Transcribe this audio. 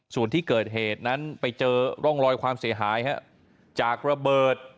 ส่วนที่เกิดเหตุนั้นไปเจอร่องรอยความเสียหายจากระเบิด